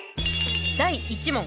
第１問。